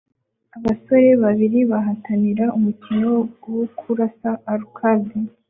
Abasore babiri bahatanira umukino wo kurasa arcade